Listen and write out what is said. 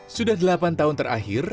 sudah delapan tahun terakhir